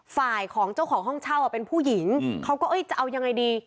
ฝ่ายของเจ้าของห้องเช่าเป็นผู้หญิงเขาก็เอ้ยจะเอายังไงดี